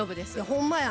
ほんまや。